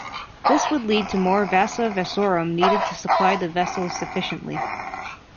This would lead to more vasa vasorum needed to supply the vessels sufficiently.